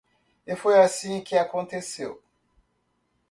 E foi assim que aconteceu.